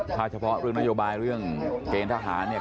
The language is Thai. ถ้าเฉพาะเรื่องพยาบาลการณ์เกณฑ์ทหารเนี่ย